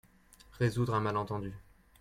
Résoudre un malentendu.